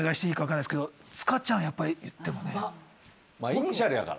イニシャルやから。